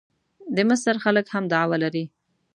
د مصر خلک هم دعوه لري.